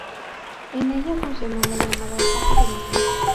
En ella funcionó la llamada "Casa del Niño".